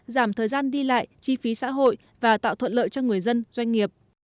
giảm thời gian đi lại chi phí xã hội và tạo thuận lợi cho người dân doanh nghiệp